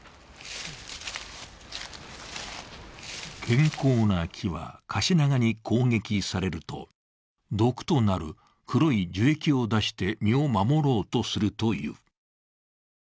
健康な木はカシナガに攻撃されると、毒となる黒い樹液を出して身を守ろうとするという。